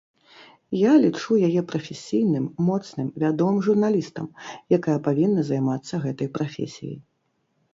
Я лічу яе прафесійным, моцным, вядомым журналістам, якая павінна займацца гэтай прафесіяй.